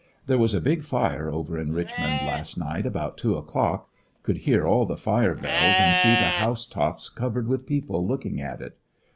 There was a big fire over in Richmond last night about 2 o'clock; could hear all the fire bells and see the house tops covered with people looking at it.